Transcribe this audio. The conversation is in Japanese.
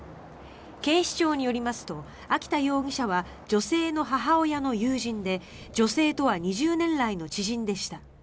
警視庁によりますと秋田容疑者は女性の母親の友人で女性とは２０年来の知人でした。